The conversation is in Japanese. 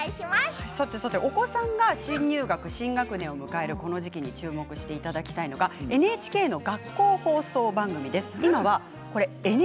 お子さんが新入学新学年を迎えるこの時期に注目していただきたいのがＮＨＫの学校放送番組です。